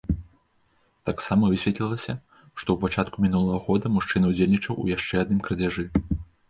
Таксама высветлілася, што ў пачатку мінулага года мужчына ўдзельнічаў у яшчэ адным крадзяжы.